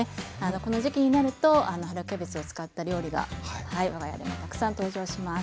この時期になると春キャベツを使った料理が我が家でもたくさん登場します。